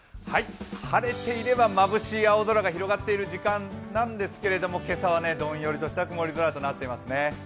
晴れていればまぶしい青空が広がっている時間なんですけれども、今朝はどんよりとした曇り空となっていますね。